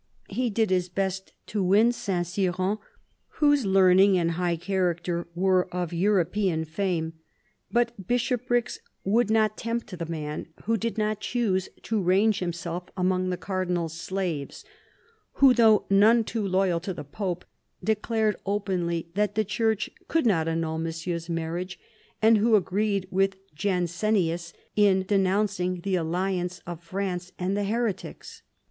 He did his best to win Saint Cyran, whose learning and high character were of European fame. But bishoprics would not tempt the man who did not choose to range himself among the Cardinal's slaves, who, though none too loyal to the Pope, declared openly that the Church could not annul Monsieur's marriage, and who agreed with Jansenius in denouncing the alliance of France with heretics.